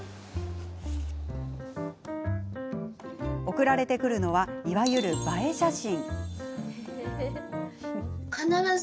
送られてくるのはいわゆる映え写真。